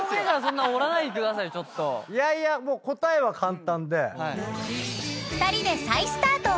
いやいや答えは簡単で。